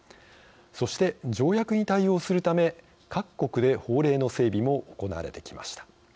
そして、条約に対応するため各国で法令の整備も行われてきました。